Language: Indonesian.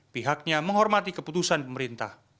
pihaknya menghormati keputusan pemerintah